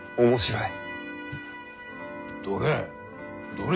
どれ？